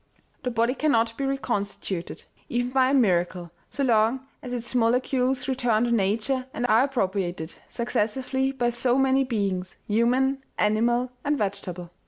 " The body cannot be reconstituted, even by a miracle, so long as its molecules return to nature and are appropriated, successively, by so many beings human, animal and vegetable.